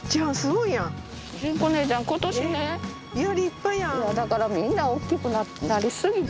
いやだからみんな大きくなり過ぎて。